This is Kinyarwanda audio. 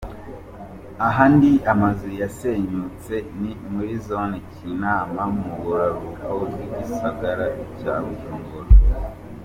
Ahandi amazu yasenyutse ni muri zone Kinama mu buraruko bw'igisagara ca Bujumbura.